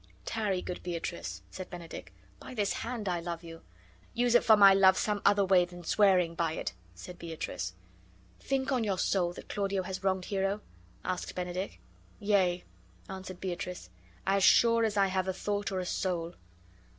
"Tarry, good Beatrice," said Benedick. "By this hand I love you." "Use it for my love some other way than swearing by it," said Beatrice. "Think you on your soul that Claudio has wronged Hero?" asked Benedick. "Yea," answered Beatrice; CC as sure as I have a thought or a soul."